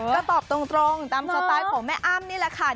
ก็ตอบตรงตามสไตล์ของแม่อ้ำนี่แหละค่ะ